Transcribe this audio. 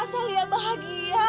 asal liat bahagia